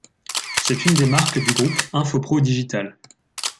C'est une des marques du groupe Infopro Digital.